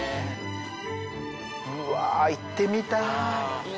うわぁ行ってみたい。